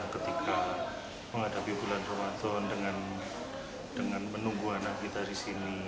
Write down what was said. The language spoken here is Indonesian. ketika menghadapi bulan ramadan dengan menunggu anak kita disini